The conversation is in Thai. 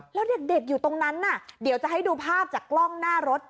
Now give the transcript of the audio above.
แล้วเด็กอยู่ตรงนั้นน่ะเดี๋ยวจะให้ดูภาพจากกล้องหน้ารถ